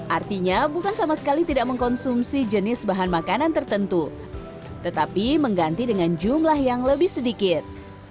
artinya bukan sama sekali tidak mengkonsumsi jenis bahan makanan tertentu tetapi mengganti dengan jumlah yang lebih sedikit